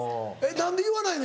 何で言わないの？